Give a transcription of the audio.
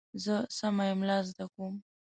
زه سمه املا زده کوم.